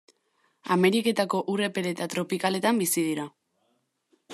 Ameriketako ur epel eta tropikaletan bizi dira.